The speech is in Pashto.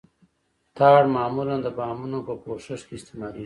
ټار معمولاً د بامونو په پوښښ کې استعمالیږي